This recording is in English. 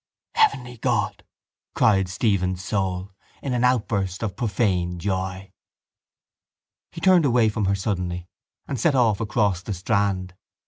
—Heavenly God! cried Stephen's soul, in an outburst of profane joy. He turned away from her suddenly and set off across the strand.